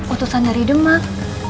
utusan dari demak